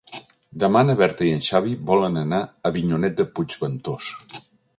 Demà na Berta i en Xavi volen anar a Avinyonet de Puigventós.